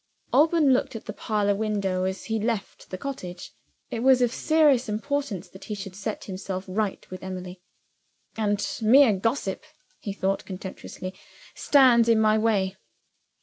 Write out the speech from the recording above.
Alban looked at the parlor window as he left the cottage. It was of serious importance that he should set himself right with Emily. "And mere gossip," he thought contemptuously, "stands in my way!"